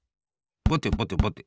ぼてぼてぼて。